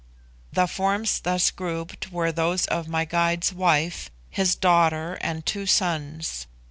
The forms thus grouped were those of my guide's wife, his daughter, and two sons.